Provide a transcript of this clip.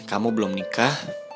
kamu belum nikah